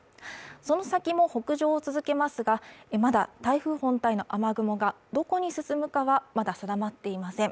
その先も北上を続けますがまだ台風本体の雨雲がどこに進むかまだ定まっていません